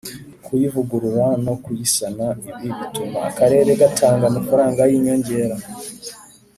Kuyivugurura no kuyisana ibi bituma akarere gatanga amafaranga y inyongera